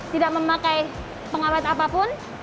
tidak memakai pengawet apapun